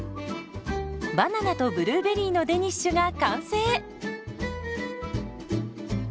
バナナとブルーベリーのデニッシュが完成。